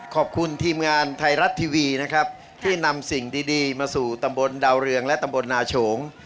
ขอบคุณทีมงานไทยรัฐทีวีนะครับที่นำสิ่งดีมาสู่ตำบลดาวเรืองและตำบลนาโฉง